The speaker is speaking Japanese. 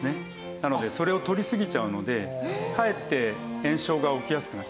なのでそれを取りすぎちゃうのでかえって炎症が起きやすくなります。